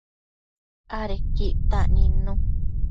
Adequi ictac nidnu